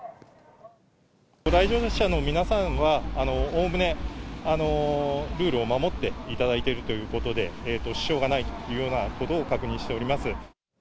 来場者の皆さんは、おおむねルールを守っていただいているということで、支障がないというようなことを確認しております。